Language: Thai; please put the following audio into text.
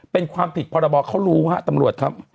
เป็นความผิดพรบเขารู้ฮะตำรวจครับ